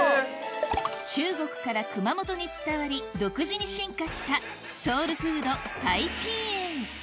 中国から熊本に伝わり独自に進化したソウルフードタイピーエン